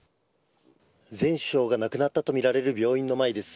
前首相が亡くなったとみられる病院の前です。